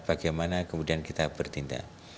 bagaimana kemudian kita bertindak